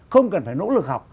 không cần phải nỗ lực học